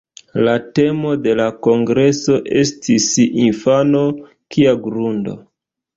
La temo de la kongreso estis "Infano: kia grundo!".